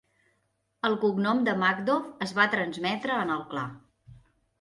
El cognom de Magdoff es va transmetre en el clar.